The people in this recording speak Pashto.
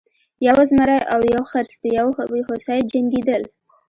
یو زمری او یو خرس په یو هوسۍ جنګیدل.